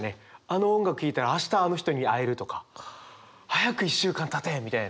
あの音楽聴いたら「明日あの人に会える」とか「早く１週間たて」みたいな。